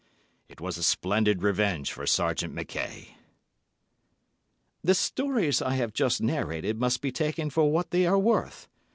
It was a splendid revenge for Sergeant Mackay!" The stories I have just narrated must be taken for what they are worth.